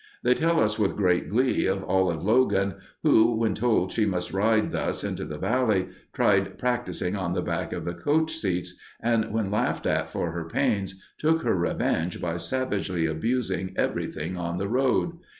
They tell us with great glee of Olive Logan, who, when told she must ride thus into the valley, tried practising on the back of the coach seats, and when laughed at for her pains, took her revenge by savagely abusing everything on the road.